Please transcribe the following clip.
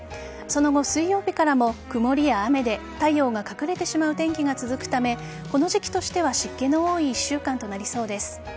その後、水曜日からも曇りや雨で太陽が隠れてしまう天気が続くためこの時期としては湿気の多い１週間となりそうです。